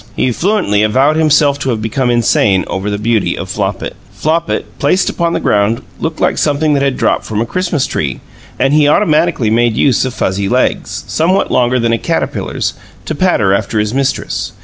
He fluently avowed himself to have become insane over the beauty of Flopit. Flopit, placed upon the ground, looked like something that had dropped from a Christmas tree, and he automatically made use of fuzzy legs, somewhat longer than a caterpillar's, to patter after his mistress.